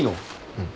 うん。